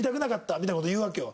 みたいな事言うわけよ。